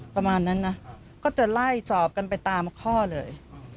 ประมาณนั้นนะก็จะไล่สอบกันไปตามข้อเลย